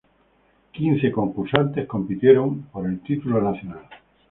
Quince concursantes compitieron por el título nacional.